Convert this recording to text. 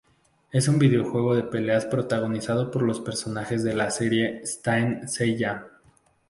Es un videojuego de peleas protagonizado por los personajes de la serie Saint Seiya.